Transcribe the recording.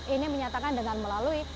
ini menyatakan dengan melalui